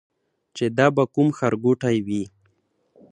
چې دا به کوم ښار ګوټی وي.